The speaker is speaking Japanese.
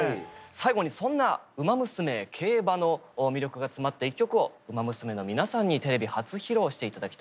最後にそんな「ウマ娘」競馬の魅力が詰まった一曲をウマ娘の皆さんにテレビ初披露して頂きたいと思います。